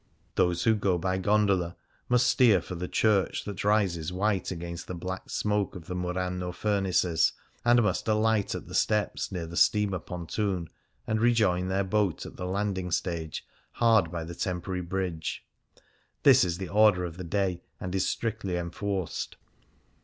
Those who go by gondola must steer for the church that rises white ag ainst the black smoke of the Murano furnaces, and must alight at the steps near the steamer pontoon, and rejoin their boat at the landing stage hard by the temporary bridge. This is the order of the day, and is strictly enforced.